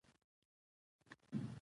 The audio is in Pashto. مونږ ټول يو مېز ته ناست وو